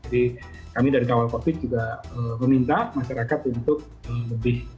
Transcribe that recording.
jadi kami dari kawan covid sembilan belas juga meminta masyarakat untuk berhati hati